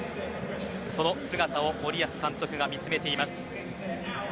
その姿を森保監督が見つめています。